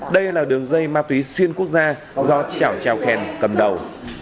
đây là đường dây ma túy xuyên quốc gia do chảo tràn khen cầm đầu